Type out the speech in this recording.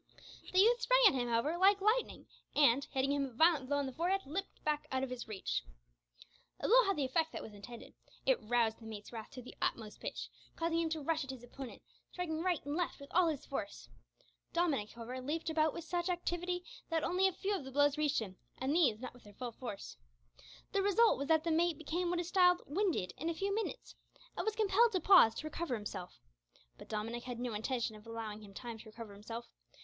The youth sprang at him, however, like lightning, and, hitting him a violent blow on the forehead, leapt back out of his reach. The blow had the effect that was intended; it roused the mate's wrath to the utmost pitch, causing him to rush at his opponent, striking right and left with all his force. Dominick, however, leapt about with such activity, that only a few of the blows reached him, and these not with their full force. The result was that the mate became what is styled winded in a few minutes, and was compelled to pause to recover himself, but Dominick had no intention of allowing him time to recover himself.